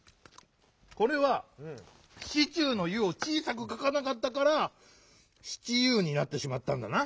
これは「シチュー」の「ユ」をちいさくかかなかったから「シチユー」になってしまったんだな。